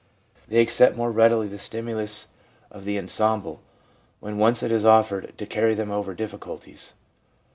They accept more readily the stimulus of the ensemble^ when once it is offered, to carry them over difficulties.